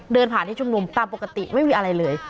เดินผ่านที่ชุมนุมตามปกติไม่มีอะไรเลย